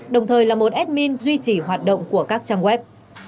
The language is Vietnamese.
đồng thời là một admin duy trì hoạt động của các trang web